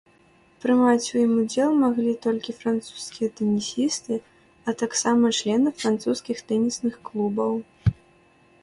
Прымаць у ім удзел маглі толькі французскія тэнісісты, а таксама члены французскіх тэнісных клубаў.